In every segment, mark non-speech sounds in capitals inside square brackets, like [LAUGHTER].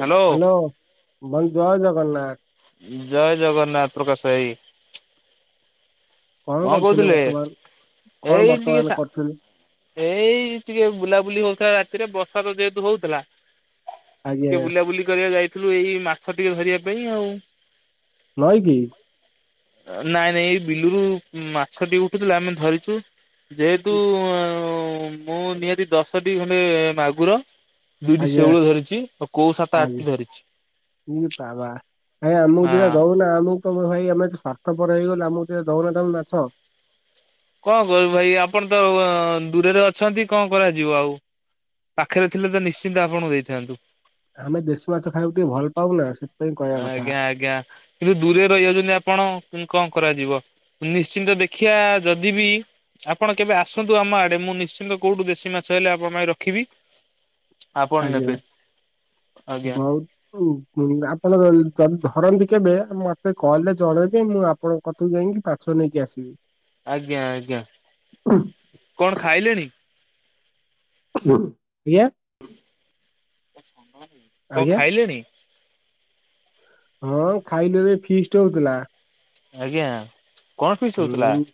Hello, ଭାଇ ଜୟ ଜଗନ୍ନାଥ। ଜୟ ଜଗନ୍ନାଥ ପ୍ରକାଶ ଭାଇ। କଣ କରୁଥିଲେ କହୁଥିଲେ? ବର୍ତ୍ତମାନ କଣ ବର୍ତ୍ତମାନ କରୁଥିଲେ ଏଇ ଟିକେ ବୁଲାବୁଲି ହଉଥିଲା ରାତିରେ, ବର୍ଷା ତ ଯେହେତୁ ହଉଥିଲା ଆଜ୍ଞା ଟିକେ ବୁଲାବୁଲି କରିବାକୁ ଯାଇଥିଲୁ ଏଇ ମାଛ ଟିକେ ଧରିବା ପାଇଁ ଆଉ। ନଈ କି? ନାଇଁ ନାଇଁ ଏଇ ବିଲୁରୁ ମାଛ ଟିକେ ଉଠୁଥିଲା ଆମେ ଧରିଚୁ। ଯେହେତୁ ମୁଁ ନିହାତି ଦଶଟି ଖଣ୍ଡେ ମାଗୁର ଦୁଇଟି ଆଜ୍ଞା ସେଉଳ ଧରିଚି ଆଉ କୋଉ ସାତ ଆଠ ଆଜ୍ଞା ଟି ଧରିଚି। ଇ ବାବା! ଭାଇ ଆମକୁ ଦି ଟା ହଁ। ଦଉନା ଆମକୁ ଏତେ ବଡ ଭାଇ ଆମେ ସ୍ଵାର୍ଥପର ହେଇଗଲ ଆମକୁ ଟିକେ ଦଉନ ତମେ ମାଛ। କଣ କରିବୁ ଭାଇ ଆପଣ ତ ଦୂରରେ ଅଛନ୍ତି କଣ କରାଯିବ ଆଉ। ପାଖରେ ଥିଲେ ତ ନିଶ୍ଚିନ୍ତ ଆପଣଙ୍କୁ ଦେଇଥାନ୍ତୁ। ଆମେ ଦେଶୀ ମାଛ ଖାଇବାକୁ ଟିକେ ଭଲ ପାଉନା। ସେ ଆଜ୍ଞା ଆଜ୍ଞା। କିନ୍ତୁ ଦୂରରେ ରହିଯାଉଛନ୍ତି ଆପଣ, କଣ କରାଯିବ। ନିଶ୍ଚିନ୍ତ ଦେଖିବା ଯଦି ବିି ଆପଣ କେବେ ଆସନ୍ତୁ ଆମ ଆଡେ, ମୁଁ ନିଶ୍ଚିନ୍ତ କୋଉଠୁ ଦେଶୀ ମାଛ ହେଲେ ଆପଣ ପାଇଁ ରଖିବି। ଆପଣ ଆଜ୍ଞା ନେବେ। ଆଜ୍ଞା। ବହୁତ ଆପଣ ଯଦି ଧରନ୍ତି କେବେ ମତେ କଲ୍ ରେ ଜଣେଇବେ ମୁଁ ଆପ୍ ଆପଣଙ୍କ କତିରୁ ଯାଇକି ମାଛ ନେଇକି ଆସିବି। ଆଜ୍ଞା ଆଜ୍ଞା। କଣ ଖାଇଲେଣି? କିଏ? କ ଆଜ୍ଞା ଖାଇଲେଣି? ହଁ ଖାଇଲୁ ଏବେ ଫିଷ୍ଟ ହଉଥିଲା। ଆଜ୍ଞା। କଣ ଫିସ୍ ହଉଥିଲା ହୁଁ।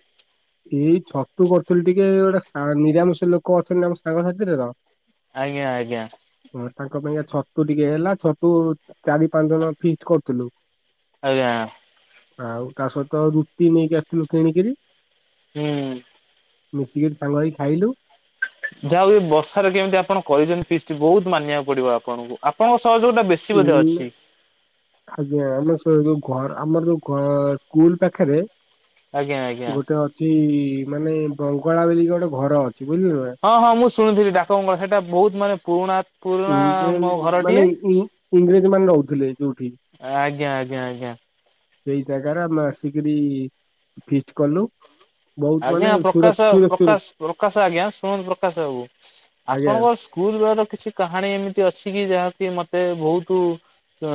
ଏଇ ଛତୁ କରୁଥିଲି ଟିକେ ଗୋଟେ ସା ନିରାମିଷ ଲୋକ ଅଛନ୍ତି ଆମ ସାଙ୍ଗ ସାାଥିରେ ତ ଆଜ୍ଞା ଆଜ୍ଞା। ହଁ ତାଙ୍କ ପାଇଁ କା ଛତୁ ଟିକେ ହେଲା ଛତୁ ଚାରି ପାଞ୍ଚ ଜଣ ଫିଷ୍ଟ କରଥିଲୁ ଆଜ୍ଞା ଆଉ ତା ସହିତ ରୁଟି ନେଇକି ଆସିଥିଲୁ କିଣିକିରି। ହୁଁ। ମିଶିକି ସାଙ୍ଗ ହେଇ ଖାଇଲୁ। ଯାହା ହଉ ବର୍ଷାରେ କେମିତି ଆପଣ କରିଛନ୍ତି ଫିଷ୍ଟ ବହୁତ ମାନିବାକୁ ପଡିବ ଆପଣଙ୍କୁ। ଆପଣଙ୍କ ସହଯୋଗ ଟା ବେଶୀ ବୋଧେ ଉଁ ଅଛି। ଆଜ୍ଞା ଆମ ଯୋ ଯୋଉ ଘ ଆମର ଯୋଉ ଗ ସ୍କୁଲ ପାଖରେ ଆଜ୍ଞା ଆଜ୍ଞା। ଗୋଟେ ଅଛି ମାନେ ବଙ୍ଗଳା ବୋଲିକି ଗୋଟେ ଘର ଅଛି ବୁଝିଲ ନା। ହଁ ହଁ ମୁଁ ଶୁଣିଥିଲି ଡାକ ବଙ୍ଗଳା ସେଇଟା ବହୁତ ମାନେ ପୁରୁଣା ପୁରୁଣା ଉଁ ମେ ମୋ ଘରଟିଏ। ମାନେ ଇ ଇଂରେଜ ମାନେ ରହୁଥିଲେ ଯୋଉଠି। ଆଜ୍ଞା ଆଜ୍ଞା ଆଜ୍ଞା। ସେଇ ଜାଗାରେ ଆମେ ଆସିକରି ଫିଷ୍ଟ କଲୁ। ବହୁତ ମାନେ ଆଜ୍ଞା ସୁର ପ୍ରକାଶ ସୁର ସୁର ପ୍ରକାଶ ପ୍ରକାଶ ଆଜ୍ଞା ଶୁଣନ୍ତୁ ପ୍ରକାଶ ବାବୁ ଆଜ୍ଞା ଆପଣଙ୍କ ସ୍କୁଲ ବେଳ ର କିଛି କାହାଣୀ ଏମିତି ଅଛି କି ଯାହାକି ମତେ ବହୁତ ତ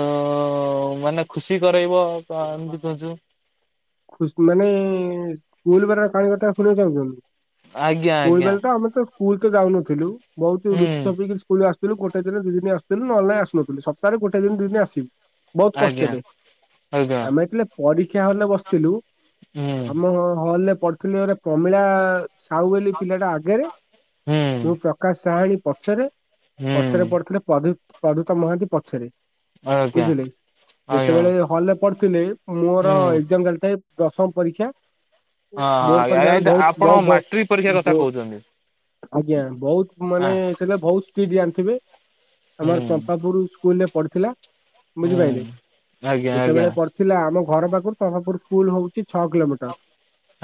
ମାନେ ଖୁସି କରେଇବ କ ଏମିତି କିଛି କୁ ମାନେ ସ୍କୁଲ ବେଳର କାହାଣୀ କଥା ସୁଣୀବାକୁ ଚାହୁଁଛନ୍ତି। ଆଜ୍ଞା ସ୍କୁଲ୍‌ ଆଜ୍ଞା। ବେଳେ ତ ଆମେ ତ ସ୍କୁଲ ତ ଯାଉନଥିଲୁ ବହୁତ ଲୁଚି ହୁଁ ଛପିକି ସ୍କୁଲ ଆସିଥିଲୁ ଗୋଟ ଦିନ ଦି ଦିନ ଆସୁଥିଲ୍ଡ ନହେଲେ ନାଇଁ ଆସନୁଥିଲୁ ସପ୍ତାହ ଗୋଟ ଦି ଦିନ ଆସିବୁ। ବହୁତ ଆଜ୍ଞା କଷ୍ଟରେ ଆଜ୍ଞା ଆମେ ଯେତେଳେ ପରୀକ୍ଷା ହଲରେ ବ ଥିଲୁ ହୁଁ ଆମ ହଲ ରେ ପଡିଥିଲୁ ଗୋଟେ ପ୍ରମିଳା ସାହୁ ବୋଲି ପିଲାଟା ଆଗେରେ ହୁଁ ମୁ ପ୍ର କାସ ସାହାଣୀ ପଛରେ ହୁଁ। ପଛରେ ପଡିଥିଲେ ପ୍ରଦୂତ ପ୍ରଦୂତ ମହାନ୍ତି ପଛରେ। ଆଜ୍ଞା ବୁଝିଲେ ଆଜ୍ଞା ଯେତେବେଳେ ହଲ ରେ? ପଢିଥିଲେ ମୋର ହୁଁ। ଏଗ୍ଜାମ୍ ଚାଲି ଥାଏ ଦଶମ ପରୀକ୍ଷା। ହଁ ବୋର୍ଡ ହଁ ପରୀକ୍ଷା ବେଳୁକୁ ଆଜ୍ଞା ବହୁତ ଆପଣ ବ ବ ମାଟ୍ରିକ ପରୀକ୍ଷା କଥା ବହୁତ କହୁଛନ୍ତି ଆଜ୍ଞା ବହୁତ ମାନେ ଆଁ ସେଟା ବହୁତ ସ୍ପିଡ ଜାଣିଥିବେ। ଆମର ହୁଁ। ଚମ୍ପାପୁର ସ୍କୁଲରେ ପଢିଥିଲା ହୁଁ ବୁଝିପାଇଲେ ଆଜ୍ଞା ଯେତେବେଳେ ପଡି ଥିଲା ଆମ ଘର ପାଖରୁ ପ୍ରଭାପୂର ସ୍କୁଲ ହଉଛି ଛଅ କିଲୋମିଟର।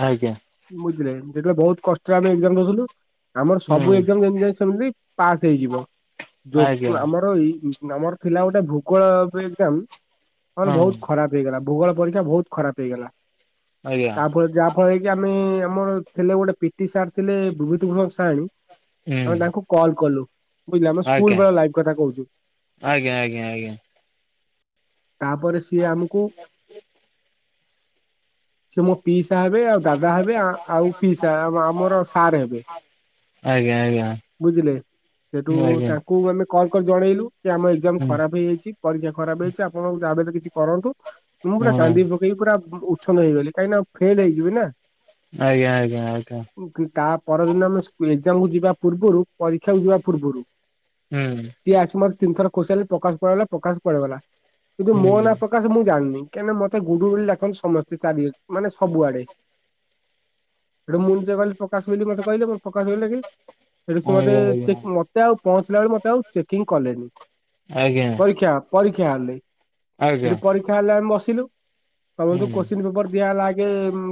ଆଜ୍ଞା। ବୁଝିଲେ ଯେତେବେଳେ ବହୁତ କଷ୍ଟରେ ଆମେ ଏଜାମ ଦଉଥିଲୁ। ଆମର ସବୁ ହୁଁ ଏଜାମ ଯେମତି ନାଇଁ ସେମିତି ପାସ୍ ହେଇଯିବ ଆଜ୍ଞା ଯୋଉ ଆମର ଏଇ ନମ୍ବର ଥିଲା ଗୋଟେ ଭୂଗୋଳ ବ ଏଗ୍ଜାମ ମାନେ ହଁ ବହୁତ ଖରାପ ହେଇଗଲା ଭୂଗୋଳ ପରୀକ୍ଷା ବହୁତ ଖରାପ ହେଇଗଲା ଆଜ୍ଞା ତାପରେ ଯାହା ଫଳରେ କି ଆମେ ଆମର ଥିଲେ ଗୋଟେ ପିଟି ସାର ହେଲେ ଭଭିତ ଭଣ ସାହାଣୀ ଆମେ ହୁଁ ତାଙ୍କୁ କଲ୍ କଲୁ। ବୁଝିଲେ ଆମ ଆଜ୍ଞା ସ୍କୁଲ ବେଳ ଲାଇଫ କଥା କହୁଛୁ। ଆଜ୍ଞା ଆଜ୍ଞା ଆଜ୍ଞା ତାପରେ ସିଏ ଆମକୁ ସେ ମୋ ପିଇସା ହେବେ ଆଉ ଦାଦା ହେବେ ଆ ଆଉ ପିଇସା ଆ ଆମର ଆ ସାର୍ ହେବେ। ଆଜ୍ଞା ବୁଝିଲେ ସେଠୁ ଆଜ୍ଞା ଆଜ୍ଞା ତାଙ୍କୁ ମାନେ? କଲ କରି ଜଣେଇଲୁ କି ଆମ ଏକ୍ଜାମ ହୁଁ ଖରାପ ହେଇଯାଇଛି ପରୀକ୍ଷା ଖରାପ ହେଇଛି ଆପଣ ଯାହାବି ହେଲେ କିଛି କରନ୍ତୁ। ମୁଁ ପୁରା ହଁ କାନ୍ଦି ପକେଇି ପୁରା ଉଛନ ହେଇଗଲି କାହିଁକି ନା? ଆଜ୍ଞା ଆଜ୍ଞା ଆଜ୍ଞା। ତା ପରଦିନ ଆମେ ସ୍ ଏକ୍ଜାମ କୁ ଯିବା ପୂର୍ବରୁ? ପରୀକ୍ଷାକୁ ଯିବା ପୂର୍ବରୁ ହୁଁ ସିଏ ଆସି ମତେ ତିନିଥର କଇ ସାଲେଣି ପ୍ରକାଶ କୁଆଡେ ଗଲା ପ୍ରକାଶ କୁଆଡେ ଗଲା କିନ୍ତୁ ମୋ ନାଁ ହୁଁ ପ୍ରକାଶ ମୁଁ ଜାଣିନି କେନେ ମତେ? ଗୁଡ଼ୁ ବୋଲି ଡାକନ୍ତି ସମସ୍ତେ ଚାରି ମାନେ ସବୁଆଡେ। ଏଟେ ମୁଁ ନିଜେ ଯେ କହିଲି ପ୍ରକାଶ ବୋଲି ମତେ କହିଲେ ମୁଁ ପ୍ରକାଶ ବଲି ଡାକିଲି। ସେଠି ଆଜ୍ଞା ଆଜ୍ଞା ଆଜ୍ଞା ଆଜ୍ଞା ହୁଁ ହୁଁ ଆଜ୍ଞା ହୁଁ ହୁଁ ଆଜ୍ଞା ହୁଁ ହୁଁ ହୁଁ ସମ ମତେ ଚେକ ହୁଁ ମତେ ଆଉ ପହଞ୍ଚିଲା ବେଳେ ମତେ ଆଉ ଚେକିଂ କଲେଣି। ଆଜ୍ଞା। ପରୀକ୍ଷା ହଲରେ ସେଠି ପରୀକ୍ଷା ହଲରେ ଆମେ ବସିଲୁ। ସମସ୍ତଙ୍କୁ କୋଶ୍ଚିନ୍ ପେପର ଦିଆ ହେଲା ଆଗେ।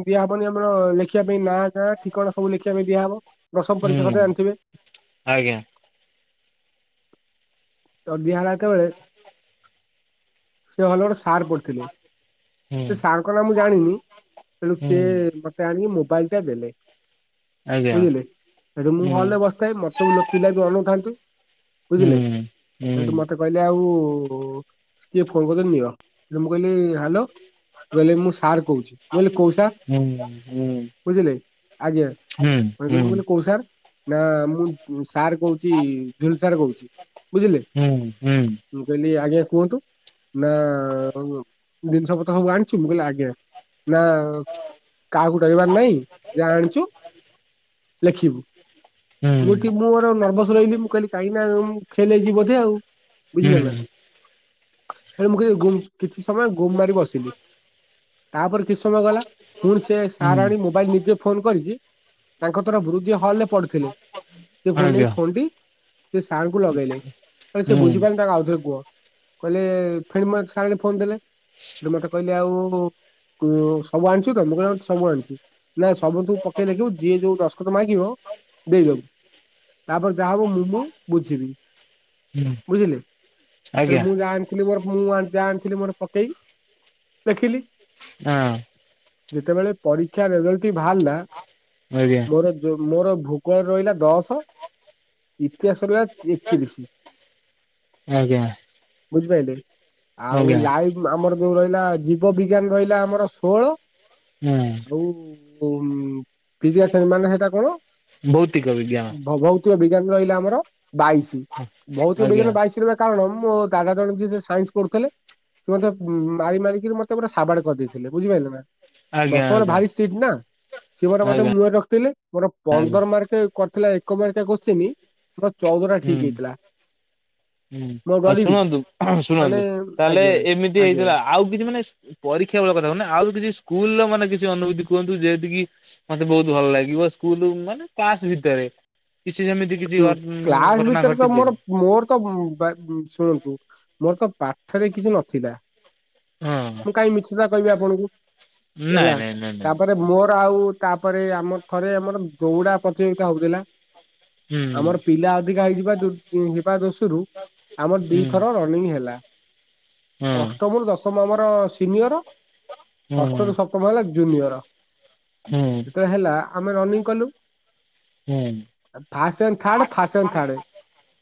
ଦିଆହବନି ଆମର ଲେଖିବା ପାଇଁ ନାଁ ଗାଁ ଠିକଣା ସବୁ ଲେଖିବା ପାଇଁ ଦିଆହବ ଦଶମ ପରୀକ୍ଷା କଥା ଜାଣିଥିବେ। ଆଜ୍ଞା। ତ ଦିୟା ହେଲା ଯେତେ ବେଳେ ସେ ଭଲ ଗୋଟେ ସାର ପଡିଥିଲେ। ସେ ସାରଙ୍କର ନା ମୁଁ ଜାଣିନି ତେଣୁ ସିଏ ମତେ ଆଣିକି ମୋବାଇଲ ଟା ଦେଲେ। ବୁଝିଲେ ସେଠୁ ମୁଁ ହଲ ରେ ବସିଥାଏ ମତେ ସବୁ ପିଲା ଯ ଅନଉଥାନ୍ତି। ବୁଝିଲେ। ସେଇଠୁ ମତେ କହିଲେ ଆଉ କିଏ ଫୋନ କରିଛନ୍ତି ନିଅ ସେ ମୁଁ କହିଲି ହ୍ୟାଲୋ। କହିଲେ ମୁଁ ସାର୍ କହୁଛି ମୁଁ କହିଲି କଉ ସାର ହୁଁ ହୁଁ ହୁଁ ବୁଝିଲେ ଆଜ୍ଞା? ହୁଁ କହିଲେ କି ମୁଁ କହିଲି ହୁଁ କହୁ ସାର୍ ନା ମୁଁ ସାର୍ କହୁଛି ଗେଡୁ ସାର୍ କହୁଛି। ବୁଝିଲେ ହୁଁ ହୁଁ। ମୁଁ କହିଲି ଆଜ୍ଞା କୁହନ୍ତୁ। ନା ଜିନିଷପତ୍ର ସବୁ ଆଣିଛୁ ମୁଁ କହିଲି ଆଜ୍ଞା। ନା କାହାକୁ ଡରିବାର ନାହିଁ ଯାହା ଆଣିଛୁ। ଲେଖିବୁ ମୁଁ ଠିକ ମୋର ନର୍ଭସ ରହିଲି ମୁଁ କହିଲି କାହିଁକି ନା ଉଁ? ଫେଲ୍ ହେଇଯିବି ବୋଧେ ଆଉ ବୁଝିଲେ ହୁଁ ନା? ହେ ମୁଁ ଗୁମ କିଛି ସମୟ ଗୁମ୍ ମାରି ବସିଲି। ତାପରେ କିଛି ସମୟ ଗଲା ପୁଣି ସେ ସାର ହୁଁ ଆଣି ମୋବାଇଲ ନିଜେ ଫୋନ କରିକି। ତାଙ୍କ ତରଫରୁ ଯିଏ ହଲ ରେ ପଢୁଥିଲେ ସେ ଫୁଣି ଆଜ୍ଞା ନେଇକି ଫୋନ ଟି ସେ ସାଙ୍ଗ? ଲଗେଇଲେ ସେ ହୁଁ ବୁଝିପାରିଲେ ତାକୁ ଆଉଥରେ କୁହ କହିଲେ ଫେର୍ ମତେ ସାର ଆଣି ଫୋନ ଦେଲେ। ମତେ କହିଲେ ଆଉ ସବୁ ଆଣିଛୁ ତ ମୁଁ କହିଲି ହଁ ସବୁ ଆଣିଛି। ନା ସବୁ ତୁ ପକେଇ ଦେଖିବୁ ଯିଏ ଯୋଉ ଦଶଖତ ମାଗିବ ଦେଇଦବୁ ତାପରେ ଯାହା ହବ ମୁଁ ମୁଁ ବୁଝିବି ହୁଁ ବୁଝିଲେ ଆଜ୍ଞା ମୁଁ ଯାହା ଥିଲି ମୋର ଫନ୍ ମୁଁ ଆ ଯାହା ଆଣିଥିଲି ମୋର ପକେଇକି ଲେଖିଲି ହଁ ଯେତେବେଳେ ପରୀକ୍ଷା ରେଜଲ୍ଟ ଟି ବାହାରିଲା ଆଜ୍ଞା ମୋର ଯୋଉ ମୋର ଭୂଗୋଳ ରେ ରହିଲା ଦଶ ଇତିହାସରେ ଏକତିରିଶ ଆଜ୍ଞା ବୁଝିପାରିଲେ ଆଉ ଆଜ୍ଞା ଲାଇଭ ଆମର ଯୋଉ ରହିଲା ଜୀବ ବିଜ୍ଞାନ ରହିଲା ଆମର ଷୋହଳ ହୁଁ ଆଉ ପରିଛନ୍ତି ମାନେ ସେଟା କଣ ଭୌତିକ ବିଜ୍ଞାନ ଭ [UNINTELLIGIBLE] ବିଜ୍ଞାନ ରହିଲା ଆମର ବାଇଶି ଭୌତିକ ଆଜ୍ଞା ବିଜ୍ଞାନ ବାଇଶି ର କାରଣ ମୋ ଦାଦା ଜଣ ଯିଏ ସାଇନ୍ସ ପଢୁଥିଲେ ସେ ମତେ ମାରି ମାରିକିରି ମତେ ପୁରା ସାବାଡ୍ କରିଦେଇଥିଲେ ଥିଲେ ବୁଝିପାଇଲ ନା। ଆଜ୍ଞା ଦଶମ ଆଜ୍ଞା ଭାରି ଷ୍ଟ୍ରିଟ୍ ନା ସିଏ ମ ମତେ ଆଜ୍ଞା ମୁହଁରେ ରଖିଥିଲେ ମୋର ଆଜ୍ଞା ପନ୍ଦର ମାର୍କ କରିଥିଲା ଏକମେରିକା କୋଚିନ୍ ମୋର ଚଉଦ ଟା ହୁଁ ଠିକ୍ ହେଇଥିଲା। ହୁଁ ମୁଁ ଆଉ ଡରିବି କି ଶୁଣନ୍ତୁ ମାନେ ଶୁଣନ୍ତୁ ତାହେଲେ ଆଜ୍ଞା ଏମିତି ଆଜ୍ଞା। ହେଇଥିଲା ଆଉ କିଛି ମାନେ ପରୀକ୍ଷା ଭଳି କଥା ହୁନ ଆଉ କିଛି ସ୍କୁଲ ର ମାନେ କିଛି ଅନୁଭୂତି କୁହନ୍ତୁ ଯେତିକି ମତେ ବହୁତ ଭଲ ଲାଗିବ ସ୍କୁଲ ମାନେ କ୍ଲାସ ଭିତରେ କିଛି ଯେମିତି କିଛି ହୁଁ, ଘ କ୍ଲାସ ଘଟଣା ଭିତରେ ତ ଘଟିଛି। ମୋର ମୋର ଶୁଣନ୍ତୁ ମୋର ତ ପାଠରେ କିଛି ନଥିଲା। ହଁ କାଇ ମିଛ ଟା କହିବି ଆପଣଙ୍କୁ ନାଇଁ ହେଲା ନାଇଁ ନାଇଁ ନାଇଁ ତାପରେ ମୋର ଆଉ। ତାପରେ ଆମର ଥରେ ଆମର ଦଉଡା ପ୍ରତିଯୋଗିତା ହଉଥିଲା। ଆମର ହୁଁ ପିଲା ଅଧିକା ହେଇଯିବା ଯିବା ଦୋଷରୁ ଆମର ହୁଁ ଦିଥର ରନିଂ ହେଲା ହଁ ଅଷ୍ଟମରୁ ଦଶମ ଆମର। ଆମର ସିନିୟର ହୁଁ ଷଷ୍ଠ ରୁ ସପ୍ତମ ହେଲା ଜୁନିୟର। ଯେତବେଳେ ହେଲା ଆମେ ରନିଙ୍ଗ କଲୁ। ହୁଁ ଫାସନ୍ ଥାର୍ଡ ଫାସନ୍ ଥାର୍ଡ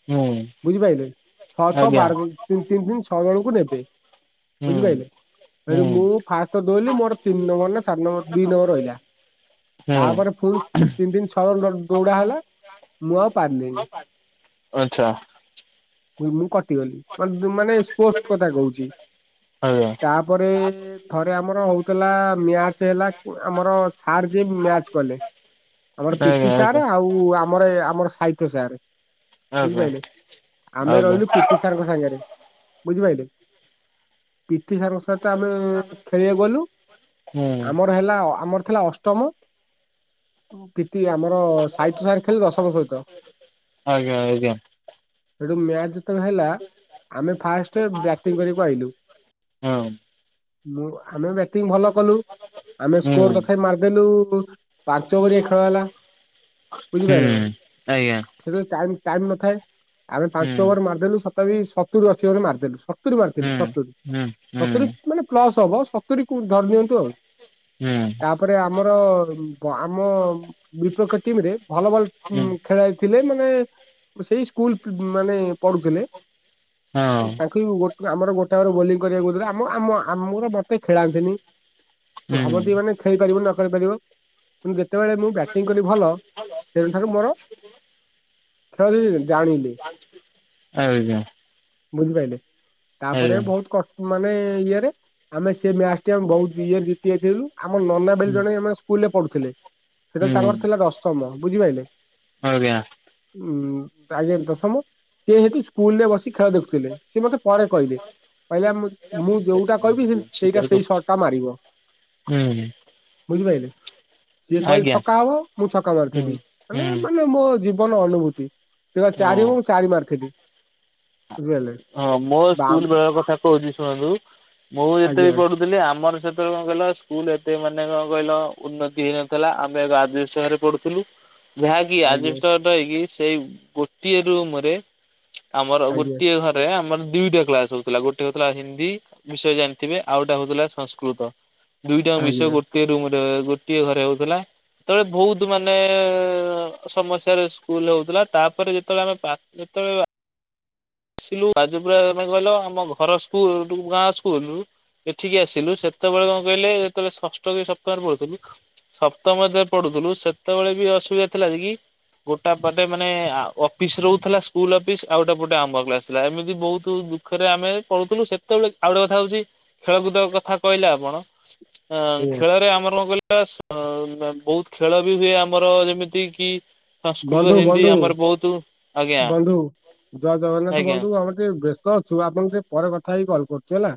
ହୁଁ ହୁଁ ବୁଝିପାରିଲେ ଛଅ ଛଅ ଆଜ୍ଞା ବାର ଦିନ। ତିନ ତିନ ତିନି ଛଅ ଜଣଙ୍କୁ ନେବେ ହୁଁ ବୁଝିପାରିଲେ। ଏଇଠି ମୁଁ ହୁଁ ଫାଷ୍ଟ ଦଉଲି ମୋର ତିନି ନମ୍ବର ନା ଚାରି ନମ୍ବର ଦୁଇ ନମ୍ବର ରହିଲା ହୁଁ ତାପରେ ପୁଣି ତିନି ତିି ଛଅ ଦଉଡା ହେଲା ମୁଁ ଆଉ ପାରିଲିଣି। ଆଛା ମୁଁ କଟିଗଲି ମାନେ ସ୍ପୋଟ କଥା କହୁଛି ଆଜ୍ଞା ତାପରେ ଥରେ ଆମର ହଉଥିଲା ମ୍ୟାଚ ହେଲା ଆମର ସାର ଯିଏ ମ୍ୟାଚ କଲେ। ଆମର ଆଜ୍ଞା ପିଟି ସାର ଆଉ ଆମର ଆମର ସାହିତ୍ୟ ସାର। ଆଜ୍ଞା ଆମେ ଆଜ୍ଞା ଆଜ୍ଞା ରହିଲୁ ପିଟି ସାର ଙ୍କ ସାଙ୍ଗରେ ବୁଝିପାରିଲେ? ପିଟି ସାର୍ ଙ୍କ ସହିତ ଆମେ ଖେଳିବା ଗଲୁ ହୁଁ ଆମ ର ହେଲା ଆମର ଥିଲା ଅଷ୍ଟମ। ପିଟି ଆମର ସାହିତ୍ୟ ସାର ଖେଳିଲେ ଦଶମ ସହିତ। ଆଜ୍ଞା ଆଞା। ସେଠୁ ମ୍ୟାଚ ଯେତେବେଳେ ହେଲା ଆମେ ଫାଷ୍ଟ ବ୍ୟାଟିଂ କରିବାକୁ ଆଇଲୁ। ହଁ ମୁଁ ଆମେ ଭଲ କଲୁ ଆମେ ହୁଁ ସ୍କୋର ତଥାପି ମାରିଦେଲୁ ପାଞ୍ଚ ଓଭରିଆ ଖେଳ ହେଲା। ହୁଁ ବୁଝିପାରିଲ ନା ଆଜ୍ଞା। ଟାଇମ ନଥାଏ ଆମେ ହୁଁ ପାଞ୍ଚ ଓଭର ମାରିଦେଲୁ ସତାପି ସତୁରି ଅଛି ମାରିଦଥିଲୁ ସତୁରି ହୁଁ ମାରିଥିଲୁ ସତୁରି ହୁଁ ହୁଁ ସତୁରି ହୁଁ ମାନେ ପ୍ଲସ୍ ହବ ସତୁରି କୁ ଧରି ନିଅନ୍ତୁ ଆଉ। ହୁଁ ତାପରେ ଆମର ଆମ ବିପକ୍ଷ ଟିମ ରେ ଭଲ ହଁ ହୁଁ ଭଲ ଖେଳାଲିଥିଲେ ମାନେ ସେଇ ସ୍କୁଲ। ମାନେ ପଢୁଥିଲେ ତାଙ୍କୁ ଗୋ ଆମର ଗୋଟେ ବୋଲିଂ କରିବାକୁଲେ ଆମ ଆମ ଆମର ମତେ ଖେଳାନ୍ତିନି ଭାବନ୍ତି ମାନେ। ଖେଳିପାରିବ ନ ଖେଳିପାରିବ। ସେଠାରୁ ମୋର ଖେଳ ଜାଣିଲେ [INAUDIBLE] ଆଞା। ବୁଝିପାରିଲେ ତାପରେ ବହୁତ କଷ୍ଟ ମାନେ ଇଏରେ। ଆମେ ସେ ମ୍ୟାଚ୍ ଟି ଆମେ ବହୁତ୍ ଇଏରେ ଜିତି ଯାଇଥିଲୁ। ଆମ ନନା ବେଲି ହୁଁ ଜଣେ ଆମେ ସ୍କୁଲ ରେ ପଢୁଥିଲେ। ସେତେବେଳେ ତାଙ୍କର ଥିଲା ଦଶମ ବୁଝିପାଇଲେ। ହଁ ଆଜ୍ଞା। ଉଁ ତାହେଲେ ଦଶମ ସିଏ ହେତି ସ୍କୁଲ ରେ ବସିକି ଖେଳ ଦେଖୁଥିଲେ। ସିଏ ମତେ ପରେ କହିଲେ। କହିଲେ ମୁଁ ମୁଁ ଯୋଉଟା କହିବି ହେ ସେଇ ସେଇ ସର୍ଟ ଟା ମାରିବ। ହୁଁ। ବୁଝିପାରିଲେ ସିଏ କହିଲେ ଛକା ହବ ମୁଁ ଛକା ହୁଁ ମାରିଥିଲି। ହୁଁ ମାନେ ମାନେ ମୋ ଜି ଜୀବନ ଅନୁଭୂତି। ସେ ହଁ ଚାରି ହୋଉ ଚାରି ମାରିଥିଲି। ବୁଝିପାରିଲେ ହଁ ମୋ ବାମ ସ୍କୁଲ ବେଳର କଥା କହୁଚି ଶୁଣନ୍ତୁ। ମୁଁ ଏବେ ଆଜ୍ଞା ବି ପଢୁ ଥିଲି। ଆମର ସେତେବେଳେ କଣ କହିଲ ସ୍କୁଲ ଏତେ ମାନେ କଣ କହିଲ ଉନ୍ନତି ହେଇନଥିଲା। ଆମେ ଏକ ଆଜବେଷ୍ଟ ଘରେ ପଢୁଥିଲୁ। [INAUDIBLE] ଯାହାକି ଆଜ୍ଞା ଆଜବେଷ୍ଟ ଘରେ ରହିକି ସେଇ ଗୋଟିଏ ରୁମ ରେ ଆମର ଆଜ୍ଞା ଗୋଟିଏ ଘରେ ଦୟେ ଆମର ଦୁଇଟା କ୍ଲାସ ହୋଉଥିଲା। ଗୋଟେ ହୋଉଥିଲା ହିନ୍ଦୀ। ବିଷୟ ଜାଣିଥିବେ। ଆଉ ଗୋଟେ ହୋଉଥିଲା ସଂସ୍କୃତ। ଦୁଇଟାଯାଙ୍କ ଆଜ୍ଞା ବିଷୟ ଗୋ ଗୋଟିଏ ରୁମ୍ ରେ ଗୋଟିଏ ଘରେ ହୋଉଥିଲା। ଯେତେବେଳେ ବହୁତ୍ ମାନେ ସମସ୍ୟାରେ ସ୍କୁଲ ହୋଉଥିଲା। ତାପରେ ଯେତେବେଳେ ଆମେପା ଯେତେବେଳେ ସେ ଯାଜପୁରିଆ କଥା କହିଲ ଆମ ଘର ସ୍କୁଲ୍ ଗାଁ ସ୍କୁଲ୍। ଏଠିକି ଆସିଲୁ। ସେତେବେଳେ କଣ କହିଲେ ଯେତେବେଳେ ଷଷ୍ଠ କି ସପ୍ତମରେ ପଢୁଥିଲୁ। ସପ୍ତମରେ ଯେତେବେଳେ ପଡୁଥିଲୁ ସେତେବେଳେ ବି ଅସୁବିଧା ଥିଲା ନି କି? ଗୋଟା ପଟେ ମାନେ ଅଫିସ୍ ରହୁଥିଲା ସ୍କୁଲ ଅଫିସ୍ ଆଉ ଗୋଟେ ପଟେ ଗୋଟେ ଆମ୍ବ କ୍ଲାସ ଥିଲା। ଏମିତି ବହୁତୁ ଦୁଃଖରେ ଆମେ ପଢୁଥିଲୁ। ସେତେବେଳେ ଆଉ ଗୋଟେ କଥା ହୋଉଚି ଖେଳକୁଦ କଥା କହିଲେ ଆପଣ ଅ ଆଜ୍ଞା ଖେଳରେ ଆମର କଣ କହିଲେ ଏସ ବହୁତ୍ ଖେଳ ବି ହୁଏ ଆମର ଯେମିତି କି ସଂସ୍କୃତ ବନ୍ଧୁ ହିନ୍ଦୀ ବନ୍ଧୁ ଆମର ବହୁତୁ ଆଜ୍ଞା। ବନ୍ଧୁ ଜୟ ଜଗନ୍ନାଥ ଆଜ୍ଞା। ବନ୍ଧୁ ଆମେ ଟିକିଏ ବ୍ୟସ୍ତ ଅଛୁ। ଆପଣ ଟିକିଏ ପରେ କଥା ହେଇକି କଲ୍ କରୁଚୁ ହେଲା।